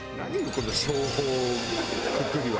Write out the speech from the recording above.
この商法くくりは。